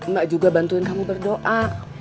mbak juga bantuin kamu berdoa